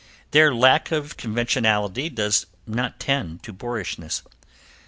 Their lack of conventionality does not tend to boorishness.